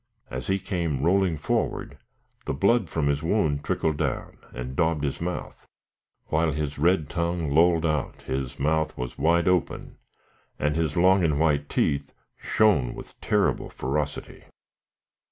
As he came rolling forward, the blood from his wound trickled down, and daubed his mouth; while his red tongue lolled out, his mouth was wide open, and his long and white teeth shone with terrible ferocity.